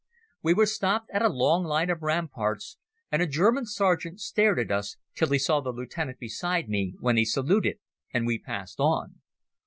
We were stopped at a long line of ramparts, and a German sergeant stared at us till he saw the lieutenant beside me, when he saluted and we passed on.